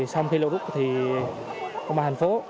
sau khi lâu rút thì công an hành phố